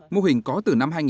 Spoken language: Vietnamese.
mô hình có từ năm hai nghìn